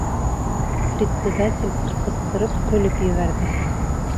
Председатель ҡысҡырып көлөп ебәрҙе.